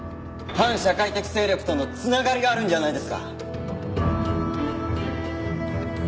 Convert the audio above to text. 反社会的勢力との繋がりがあるんじゃないですか？